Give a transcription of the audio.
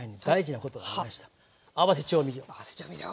合わせ調味料。